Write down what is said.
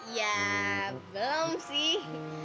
ya belum sih